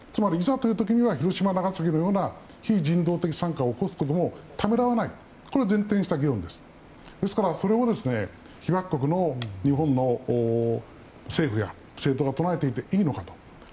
広島、長崎のような非人道的な惨禍を起こすこともためらわないこれを前提にした議論ですからそれを被爆国の日本の政府や政党が唱えていていいのかと。